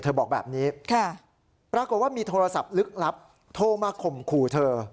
บอกแบบนี้ปรากฏว่ามีโทรศัพท์ลึกลับโทรมาข่มขู่เธอ